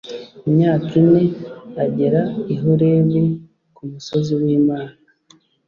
Imyaka ine agera i Horebu ku musozi w Imana.